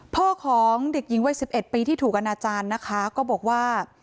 พ่อของเด็กหญิงวัย๑๑ปีที่ถูกอนาจารย์นะคะก็บอกว่า